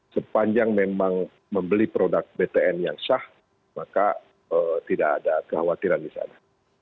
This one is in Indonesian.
sepanjang memang membeli produk btn yang sah maka tidak ada kekhawatiran di sana